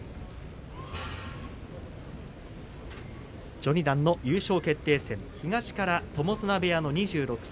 序二段の優勝決定戦は東から友綱部屋の２６歳、